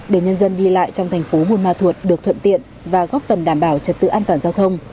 để nhân dân đi lại trong thành phố buôn ma thuột được thuận tiện và góp phần đảm bảo trật tự an toàn giao thông